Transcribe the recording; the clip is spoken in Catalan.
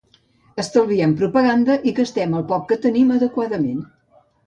Estalviem propaganda i gastem el poc que tenim adequadament.